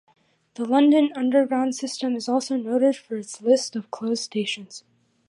The London Underground system is also noted for its list of closed stations.